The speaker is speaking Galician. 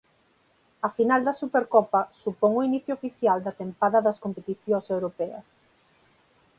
A final da Supercopa supón o inicio oficial da tempada das competicións europeas.